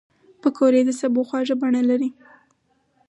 پکورې د سبو خواږه بڼه لري